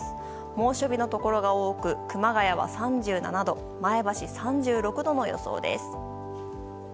猛暑日のところが多く熊谷は３７度、前橋３６度の予想です。